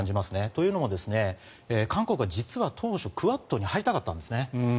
というのも韓国は実は当初クアッドに入りたかったんですね。